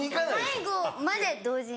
最後まで同時に。